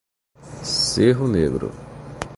Cerro Negro